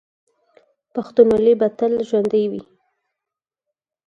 پښتونولي به تل ژوندي وي.